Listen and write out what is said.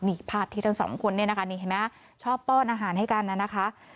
นี่ภาพที่ทั้งสองคนเนี่ยนะคะนี่เห็นไหมชอบป้อนอาหารให้กันน่ะนะคะ